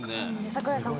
櫻井さん